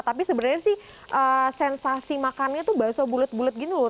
tapi sebenarnya sih sensasi makannya tuh bakso bulet bulet gitu loh